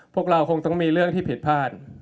พวกเราคงต้องมีเรื่องที่ผิดพลาด